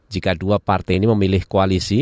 jika dua partai ini memilih koalisi